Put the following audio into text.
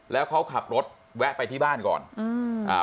แล้วเขาขับรถแวะไปที่บ้านก่อนอืมอ่า